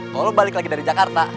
kalau lo balik lagi dari jakarta